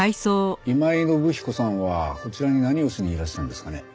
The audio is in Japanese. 今井信彦さんはこちらに何をしにいらしたんですかね？